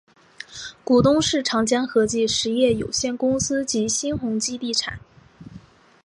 股东是长江和记实业有限公司及新鸿基地产。